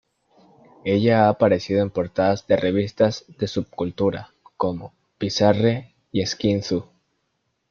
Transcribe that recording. Ella ha aparecido en portadas de revistas de subcultura, como "Bizarre" y "Skin Two".